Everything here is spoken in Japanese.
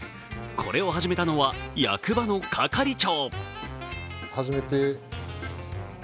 これを始めたのは役場の係長。